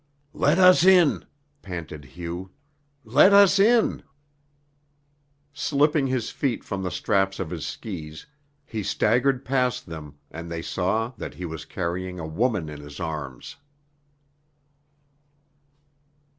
"Let us in," panted Hugh. "Let us in." Slipping his feet from the straps of his skis, he staggered past them and they saw that he was carrying a woman in his arms.